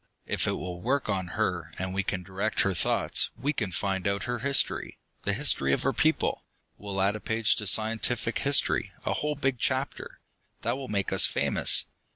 If it will work on her, and we can direct her thoughts, we can find out her history, the history of her people! We'll add a page to scientific history a whole big chapter! that will make us famous.